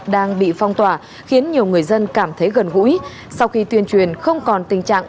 đang bị phong tỏa khiến nhiều người dân cảm thấy gần gũi sau khi tuyên truyền không còn tình trạng